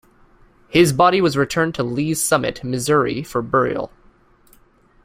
His body was returned to Lee's Summit, Missouri for burial.